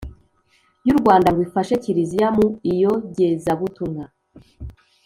y’u rwanda ngo ifashe kiliziya mu iyogezabutumwa ;